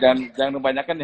jangan jangan terbanyakan ya